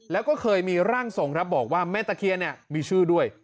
แล้วก็เคยมีร่างทรงครับบอกว่าแม่ตะเคียนเนี่ยมีชื่อด้วย